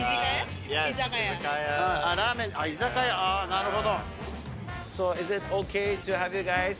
なるほど。